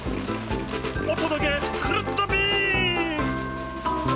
おとどけクルットびん！